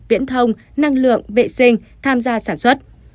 viễn thông năng lượng vệ sinh tham gia sản xuất